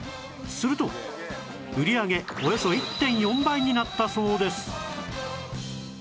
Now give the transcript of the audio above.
すると売り上げおよそ １．４ 倍になったそうです